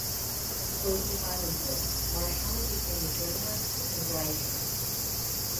Fluently bilingual, Marchand became a journalist and writer.